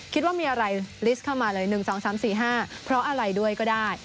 คิดว่ามีอะไรลิสต์เข้ามาเลย๑๒๓๔๕เพราะอะไรด้วยก็ได้